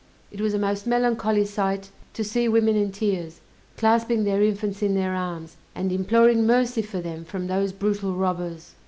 It was a most melancholy sight to see women in tears, clasping their infants in their arms, and imploring mercy for them from those brutal robbers!